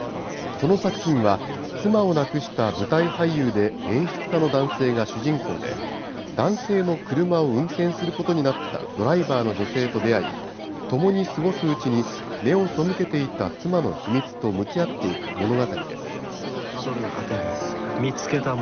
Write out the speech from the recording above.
この作品は、妻を亡くした舞台俳優で演出家の男性が主人公で、男性の車を運転することになったドライバーの女性と出会い、共に過ごすうちに、目を背けていた妻の秘密と向き合っていく物語です。